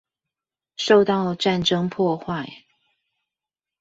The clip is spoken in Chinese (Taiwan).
受到戰爭破壞